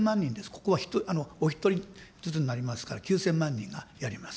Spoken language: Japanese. ここはお１人ずつになりますから、９０００万人がやります。